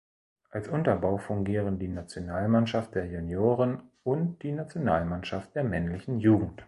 Als Unterbau fungieren die Nationalmannschaft der Junioren und die Nationalmannschaft der männlichen Jugend.